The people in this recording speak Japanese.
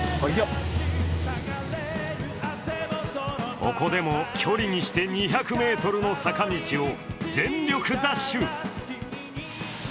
ここでも距離にして２００ｍの坂道を全力ダッシュ。